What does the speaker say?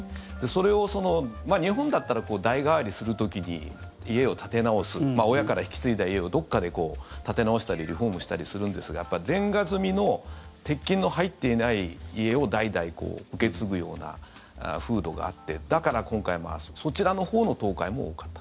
それを日本だったら代替わりする時に家を建て直す親から引き継いだ家をどこかで建て直したりリフォームしたりするんですがやっぱりレンガ積みの鉄筋の入っていない家を代々受け継ぐような風土があってだから今回そちらのほうの倒壊も多かった。